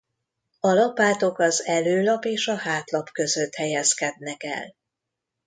A lapátok az előlap és a hátlap között helyezkednek el.